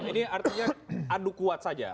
ini artinya adu kuat saja